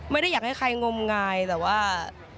อยากให้ใครงมงายแต่ว่า